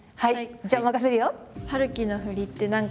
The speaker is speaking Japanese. じゃあ任せるよ。